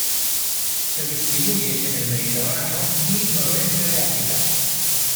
Se distribuye en el Mediterráneo y noroeste de África.